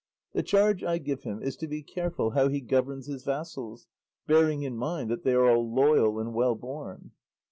The charge I give him is to be careful how he governs his vassals, bearing in mind that they are all loyal and well born."